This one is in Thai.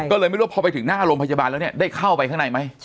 ก็เลยไม่รู้ว่าพอไปถึงหน้าโรงพยาบาลแล้วเนี่ยได้เข้าไปข้างในไหม